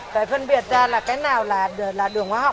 phải phân biệt ra là cái nào là đường hóa học